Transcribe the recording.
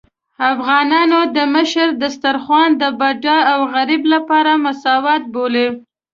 افغانان د مشر دسترخوان د بډای او غريب لپاره مساوات بولي.